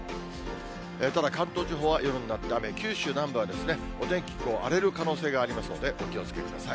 ただ、関東地方は夜になって雨、九州南部はお天気荒れる可能性がありますので、お気をつけください。